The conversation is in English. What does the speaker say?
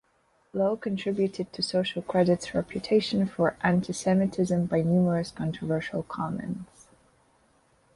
Low contributed to Social Credit's reputation for antisemitism by numerous controversial comments.